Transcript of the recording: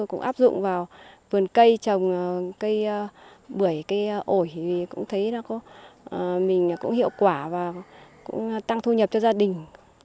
cây bưởi cây ổi cũng thấy mình hiệu quả và tăng thu nhập cho gia đình